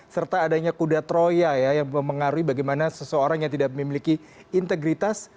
serta adanya kuda troya ya yang memengaruhi bagaimana seseorang yang tidak memiliki integritas